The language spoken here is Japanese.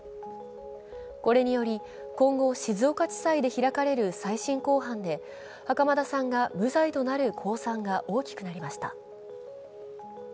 これにより今後、静岡地裁で開かれる再審公判で袴田さんが無罪となる公算が大きくなりました。